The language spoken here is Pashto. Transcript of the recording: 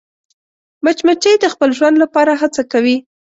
مچمچۍ د خپل ژوند لپاره هڅه کوي